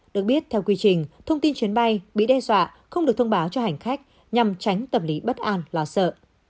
được biết theo quy trình thông tin chuyến bay bị đe dọa không được thông báo cho hành khách nhằm tránh tâm lý bất an lo sợ